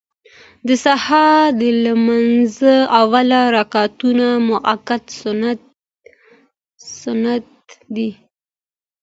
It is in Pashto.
د سهار د لمانځه اول رکعتونه مؤکد سنت دي.